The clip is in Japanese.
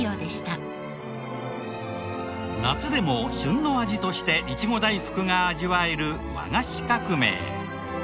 夏でも旬の味としていちご大福が味わえる和菓子革命。